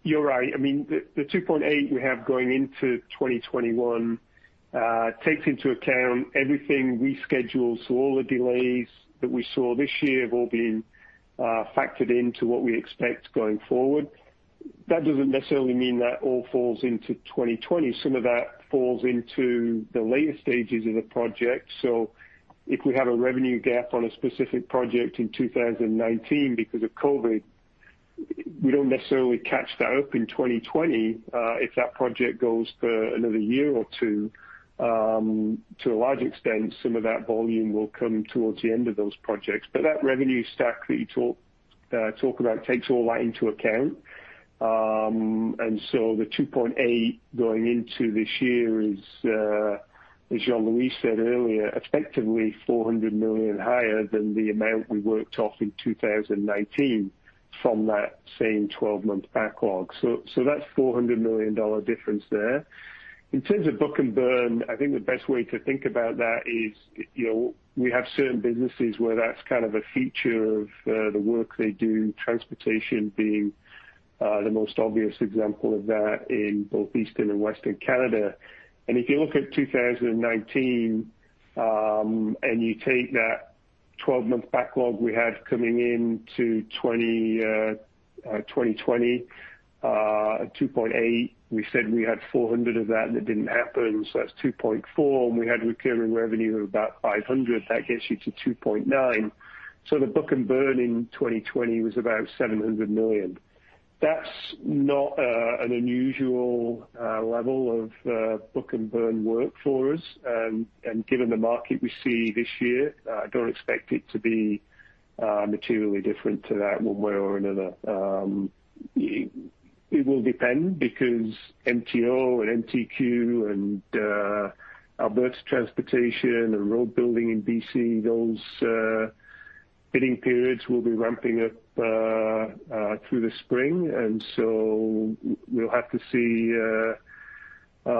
You're right. I mean, the 2.8 we have going into 2021 takes into account everything we schedule. All the delays that we saw this year have all been factored into what we expect going forward. That doesn't necessarily mean that all falls into 2020. Some of that falls into the later stages of the project. If we have a revenue gap on a specific project in 2019 because of COVID, we don't necessarily catch that up in 2020 if that project goes for another year or two. To a large extent, some of that volume will come towards the end of those projects. That revenue stack that you talk about takes all that into account. The 2.8 billion going into this year is, as Jean-Louis said earlier, effectively 400 million higher than the amount we worked off in 2019 from that same 12-month backlog. That's a 400 million dollar difference there. In terms of book and burn, I think the best way to think about that is, we have certain businesses where that's kind of a feature of the work they do, transportation being the most obvious example of that in both Eastern and Western Canada. If you look at 2019, and you take that 12-month backlog we had coming into 2020, at 2.8 billion, we said we had 400 million of that, and it didn't happen, so that's 2.4 billion, and we had recurring revenue of about 500 million. That gets you to 2.9 billion. The book and burn in 2020 was about 700 million. That's not an unusual level of book and burn work for us, and given the market we see this year, I don't expect it to be materially different to that one way or another. It will depend because MTO and MTQ and Alberta Transportation and road building in B.C., those bidding periods will be ramping up through the spring, and so we'll have to see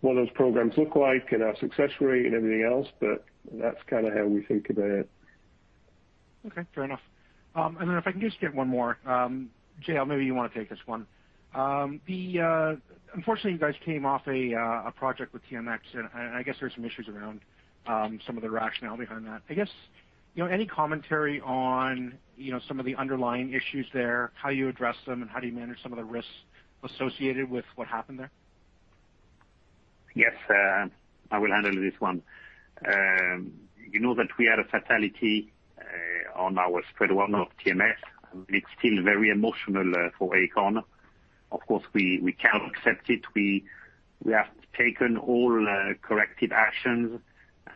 what those programs look like and our success rate and everything else. That's kind of how we think about it. Okay, fair enough. Then, if I can just get one more. JL, maybe you want to take this one. Unfortunately, you guys came off a project with TMX, and I guess there's some issues around some of the rationale behind that. I guess, any commentary on some of the underlying issues there, how you address them, and how do you manage some of the risks associated with what happened there? Yes, I will handle this one. You know that we had a fatality on our spread one of TMX. It is still very emotional for Aecon. Of course, we cannot accept it. We have taken all corrective actions,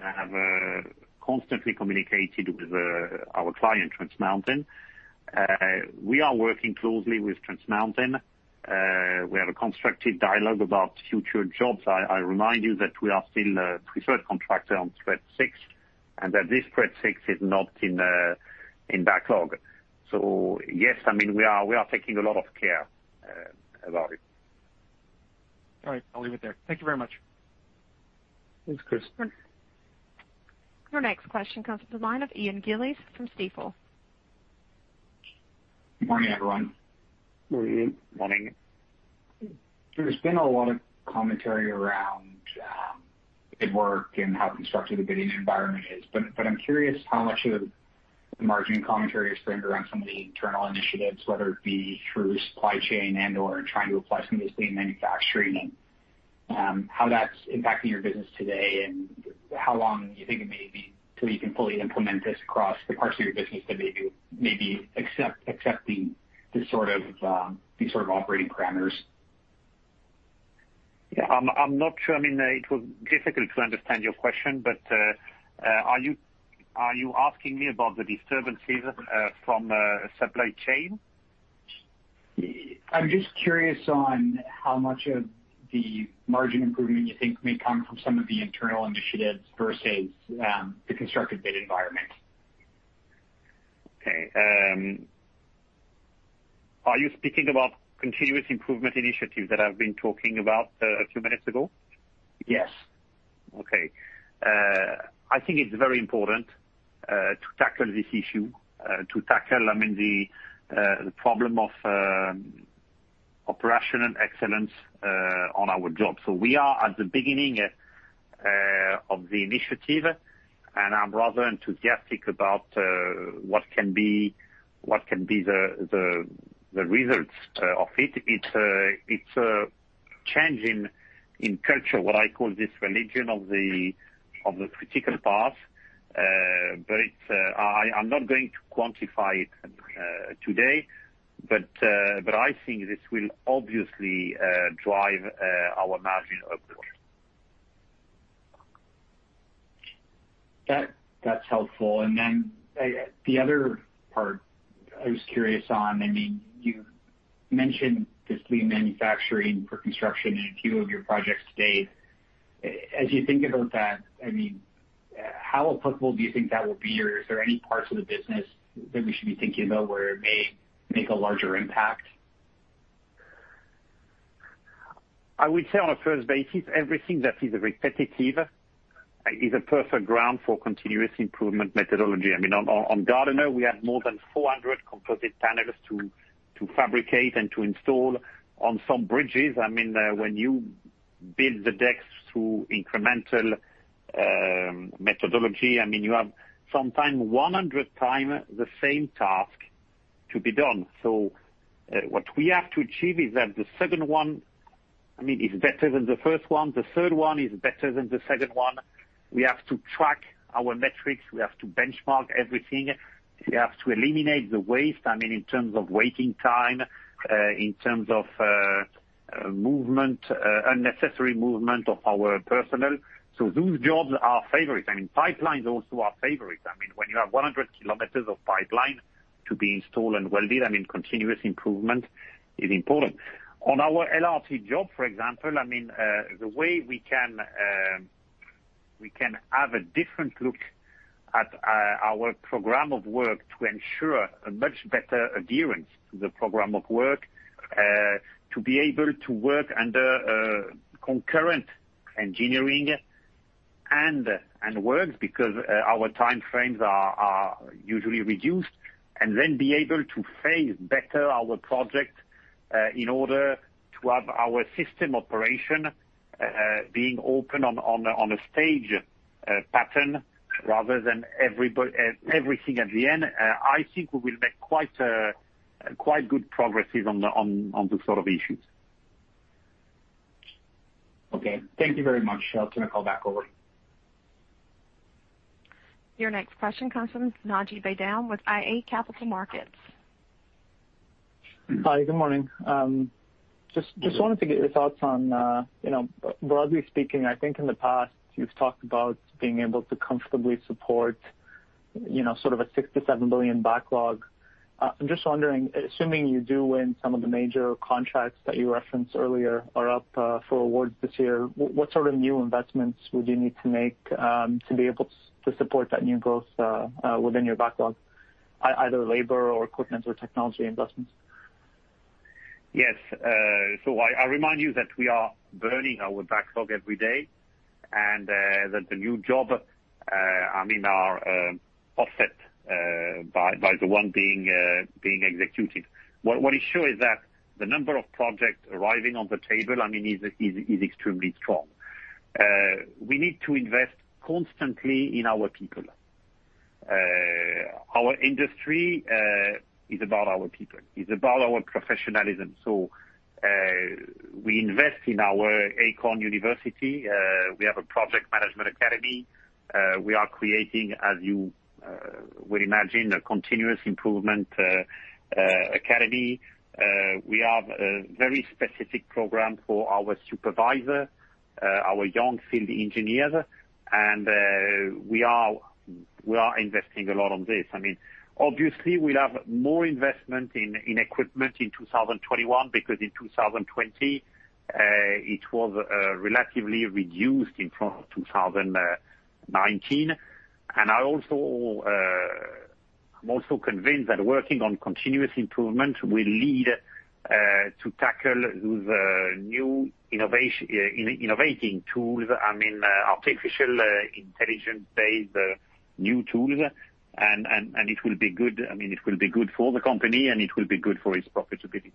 have constantly communicated with our client, Trans Mountain. We are working closely with Trans Mountain. We have a constructive dialogue about future jobs. I remind you that we are still a preferred contractor on spread six, and that this spread six is not in backlog. Yes, we are taking a lot of care about it. All right, I'll leave it there. Thank you very much. Thanks, Chris. Your next question comes from the line of Ian Gillies from Stifel. Morning, everyone. Morning. Morning. There's been a lot of commentary around bid work and how constructive the bidding environment is, but I'm curious how much of the margin commentary is centered around some of the internal initiatives, whether it be through supply chain and/or trying to apply some of this lean manufacturing, and how that's impacting your business today, and how long you think it may be till you can fully implement this across the parts of your business that may be accepting these sort of operating parameters? Yeah, I'm not sure. It was difficult to understand your question, but are you asking me about the disturbances from supply chain? I'm just curious on how much of the margin improvement you think may come from some of the internal initiatives versus the constructive bid environment? Okay. Are you speaking about continuous improvement initiatives that I've been talking about a few minutes ago? Yes. Okay. I think it's very important to tackle this issue, to tackle the problem of operational excellence on our jobs. We are at the beginning of the initiative, and I'm rather enthusiastic about what can be the results of it. It's a change in culture, what I call this religion of the critical path. I'm not going to quantify it today, I think this will obviously drive our margin upward. That's helpful. The other part I was curious on, you mentioned this lean manufacturing for construction in a few of your projects to date. As you think about that, how applicable do you think that will be, or is there any parts of the business that we should be thinking about where it may make a larger impact? I would say on a first basis, everything that is repetitive is a perfect ground for continuous improvement methodology. On Gardiner, we had more than 400 composite panels to fabricate and to install on some bridges. When you build the decks through incremental methodology, you have sometimes 100 times the same task to be done. What we have to achieve is that the second one is better than the first one. The third one is better than the second one. We have to track our metrics. We have to benchmark everything. We have to eliminate the waste, in terms of waiting time, in terms of unnecessary movement of our personnel. Those jobs are favorites. Pipelines also are favorites. When you have 100 km of pipeline to be installed and welded, continuous improvement is important. On our LRT job, for example, the way we can have a different look at our program of work to ensure a much better adherence to the program of work, to be able to work under concurrent engineering and works because our time frames are usually reduced, and then be able to phase better our project in order to have our system operation being open on a stage pattern rather than everything at the end. I think we will make quite good progresses on these sort of issues. Okay. Thank you very much. I'll turn the call back over. Your next question comes from Naji Baydoun with iA Capital Markets. Hi, good morning. Just wanted to get your thoughts on, broadly speaking, I think in the past, you've talked about being able to comfortably support sort of a 6 billion-7 billion backlog. I'm just wondering, assuming you do win some of the major contracts that you referenced earlier are up for awards this year, what sort of new investments would you need to make to be able to support that new growth within your backlog, either labor or, equipment or technology investments? Yes. I remind you that we are burning our backlog every day, and that the new job are offset by the one being executed. What is sure is that the number of projects arriving on the table is extremely strong. We need to invest constantly in our people. Our industry is about our people, is about our professionalism. We invest in our Aecon University. We have a project management academy. We are creating, as you would imagine, a continuous improvement academy. We have a very specific program for our supervisor, our young field engineers, and we are investing a lot on this. Obviously, we'll have more investment in equipment in 2021 because in 2020, it was relatively reduced in front of 2019. I'm also convinced that working on continuous improvement will lead to tackle those new innovating tools, artificial intelligence-based new tools, and it will be good for the company, and it will be good for its profitability.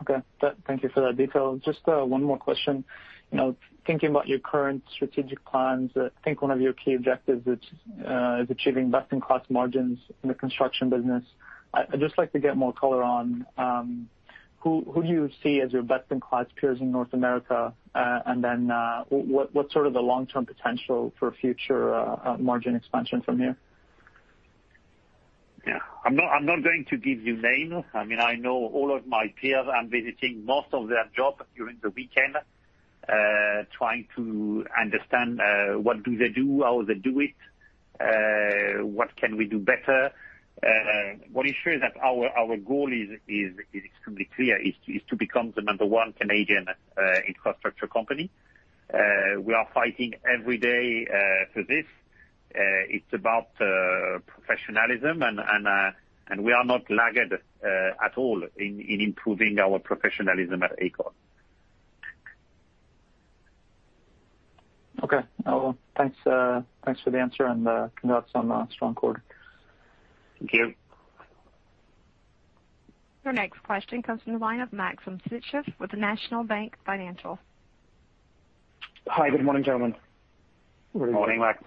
Okay. Thank you for that detail. Just one more question. Thinking about your current strategic plans, I think one of your key objectives is achieving best-in-class margins in the construction business. I'd just like to get more color on who do you see as your best-in-class peers in North America, and then, what's sort of the long-term potential for future margin expansion from here? Yeah. I'm not going to give you names. I know all of my peers. I'm visiting most of their job during the weekend, trying to understand what do they do, how they do it, what can we do better. What is sure is that our goal is extremely clear: is to become the number one Canadian infrastructure company. We are fighting every day for this. It's about professionalism, and we are not lagging at all in improving our professionalism at Aecon. Okay. Well, thanks for the answer and congrats on a strong quarter. Thank you. Your next question comes from the line of Maxim Sytchev with National Bank Financial. Hi, good morning, gentlemen. Good morning. Morning,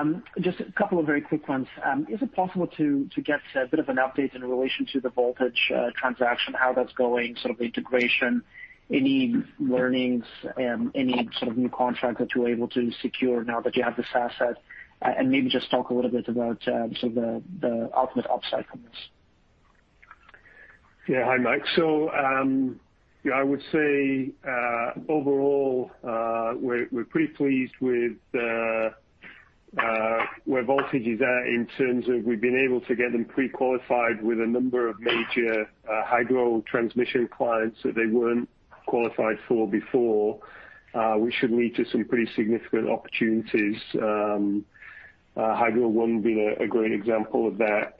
Max. Just a couple of very quick ones. Is it possible to get a bit of an update in relation to the Voltage transaction, how that's going, sort of the integration, any learnings, any sort of new contract that you're able to secure now that you have this asset? Maybe just talk a little bit about the ultimate upside from this. Hi, Max. I would say, overall, we're pretty pleased with where Voltage is at in terms of we've been able to get them pre-qualified with a number of major hydro transmission clients that they weren't qualified for before. We should lead to some pretty significant opportunities, Hydro One being a great example of that.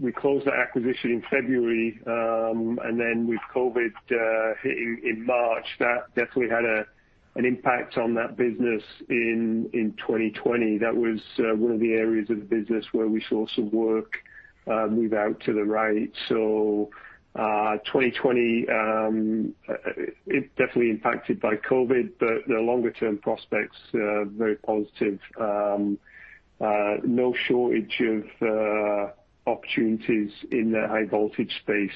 We closed the acquisition in February, with COVID hitting in March, that definitely had an impact on that business in 2020. That was one of the areas of the business where we saw some work move out to the right. 2020, it definitely impacted by COVID. The longer-term prospects are very positive. No shortage of opportunities in the high voltage space.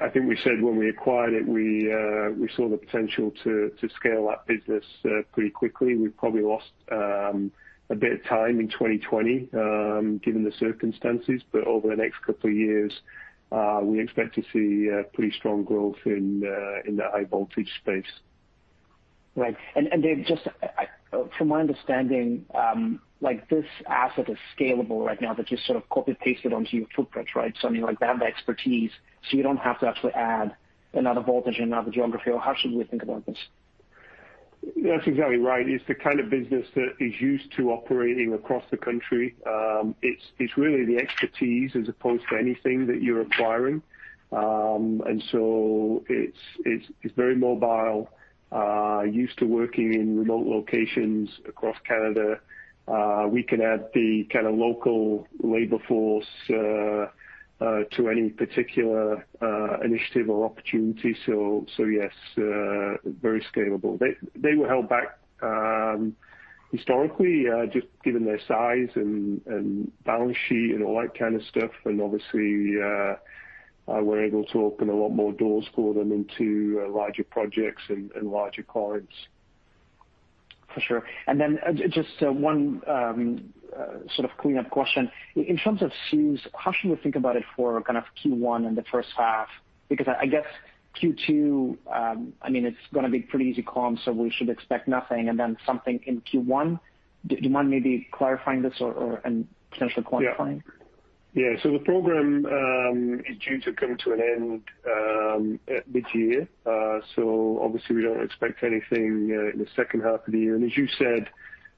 I think we said when we acquired it, we saw the potential to scale that business pretty quickly. We probably lost a bit of time in 2020, given the circumstances. Over the next couple of years, we expect to see pretty strong growth in the high-voltage space. Right. Just from my understanding, this asset is scalable right now, that you sort of copy-pasted onto your footprint, right? They have the expertise, so you don't have to actually add another Voltage in another geography, or how should we think about this? That's exactly right. It's the kind of business that is used to operating across the country. It's really the expertise as opposed to anything that you're acquiring. It's very mobile, used to working in remote locations across Canada. We can add the kind of local labor force to any particular initiative or opportunity. Yes, very scalable. They were held back historically, just given their size and balance sheet and all that kind of stuff. Obviously, we're able to open a lot more doors for them into larger projects and larger clients. For sure. Just one sort of cleanup question. In terms of CEWS, how should we think about it for Q1 and the first half? I guess Q2, it's going to be pretty easy comm, so we should expect nothing, and then something in Q1. Do you mind maybe clarifying this or potentially quantifying? Yeah. The program is due to come to an end mid-year. Obviously, we don't expect anything in the second half of the year. As you said,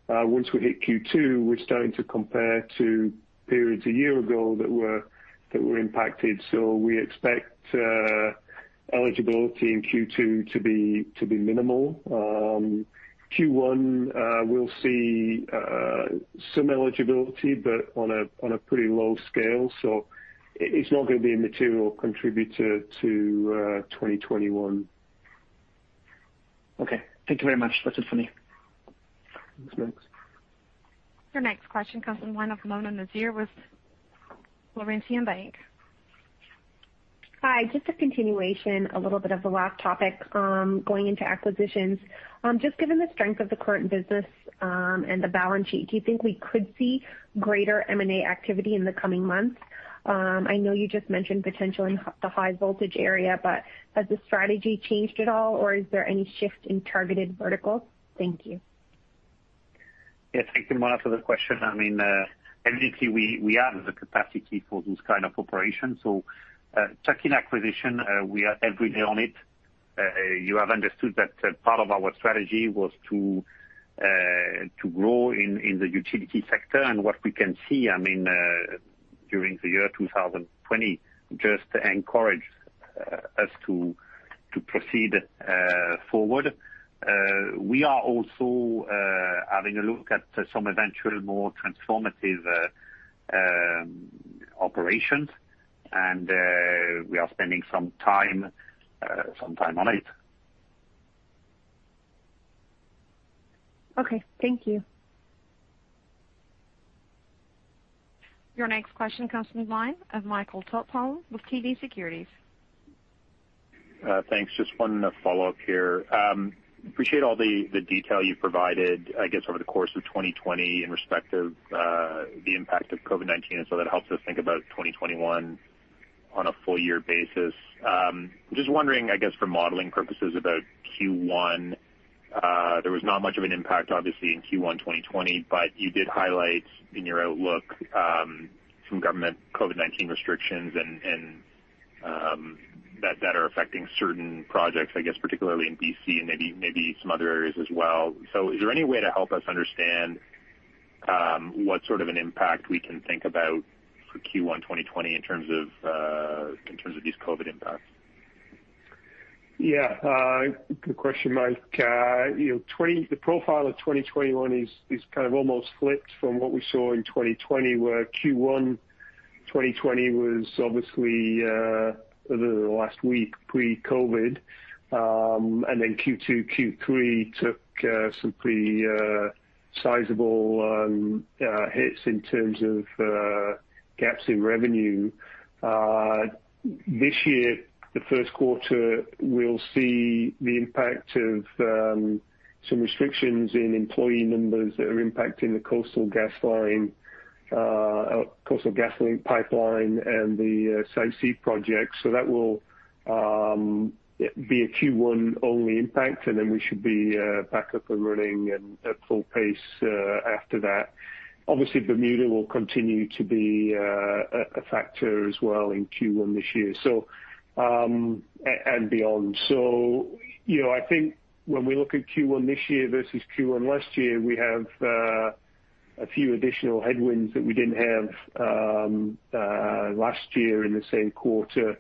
once we hit Q2, we're starting to compare to periods a year ago that were impacted. We expect eligibility in Q2 to be minimal. Q1, we'll see some eligibility, but on a pretty low scale. It's not going to be a material contributor to 2021. Okay. Thank you very much. That's it for me. Thanks. Your next question comes from the line of Mona Nazir with Laurentian Bank. Hi, just a continuation, a little bit of the last topic, going into acquisitions. Just given the strength of the current business and the balance sheet, do you think we could see greater M&A activity in the coming months? I know you just mentioned potential in the high voltage area. Has the strategy changed at all, or is there any shift in targeted verticals? Thank you. Yeah, thank you, Mona, for the question. Evidently, we have the capacity for this kind of operation. Tuck-in acquisition, we are every day on it. You have understood that part of our strategy was to grow in the utility sector, and what we can see during the year 2020 just encouraged us to proceed forward. We are also having a look at some eventual more transformative operations, and we are spending some time on it. Okay. Thank you. Your next question comes from the line of Michael Tupholme with TD Securities. Thanks. Just one follow-up here. Appreciate all the detail you provided, I guess, over the course of 2020 in respect of the impact of COVID-19. That helps us think about 2021 on a full-year basis. Just wondering, I guess, for modeling purposes, about Q1. There was not much of an impact, obviously, in Q1 2020, but you did highlight in your outlook some government COVID-19 restrictions that are affecting certain projects, I guess, particularly in B.C. and maybe some other areas as well. Is there any way to help us understand what sort of an impact we can think about for Q1 2020 in terms of these COVID impacts? Yeah. Good question, Mike. The profile of 2021 is kind of almost flipped from what we saw in 2020, where Q1 2020 was obviously, other than the last week, pre-COVID. Then Q2, Q3 took some pretty sizable hits in terms of gaps in revenue. This year, the first quarter, we'll see the impact of some restrictions in employee numbers that are impacting the Coastal GasLink Pipeline and the Site C project. That will be a Q1 only impact, and then we should be back up and running at full pace after that. Obviously, Bermuda will continue to be a factor as well in Q1 this year and beyond. I think when we look at Q1 this year versus Q1 last year, we have a few additional headwinds that we didn't have last year in the same quarter.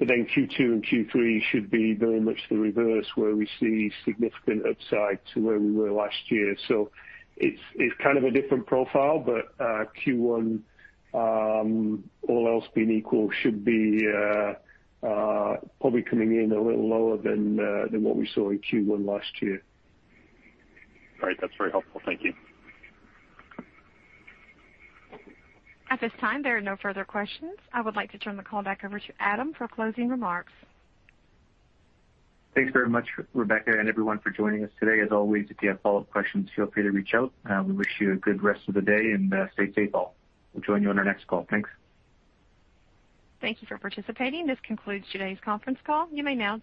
Q2 and Q3 should be very much the reverse, where we see significant upside to where we were last year. It's kind of a different profile, but Q1, all else being equal, should be probably coming in a little lower than what we saw in Q1 last year. Great. That's very helpful. Thank you. At this time, there are no further questions. I would like to turn the call back over to Adam for closing remarks. Thanks very much, Rebecca, and everyone, for joining us today. As always, if you have follow-up questions, feel free to reach out. We wish you a good rest of the day, and stay safe all. We'll join you on our next call. Thanks. Thank you for participating. This concludes today's conference call. You may now disconnect.